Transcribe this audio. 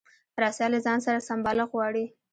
رسۍ له ځان سره سمبالښت غواړي.